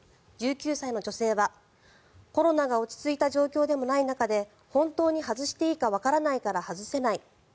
１９歳の女性はコロナが落ち着いた状況でもない中で本当に外していいかわからないから外せない。